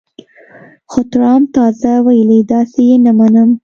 خو ټرمپ تازه ویلي، داسې یې نه منم